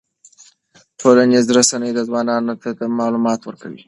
ټولنیزې رسنۍ ځوانانو ته معلومات ورکوي.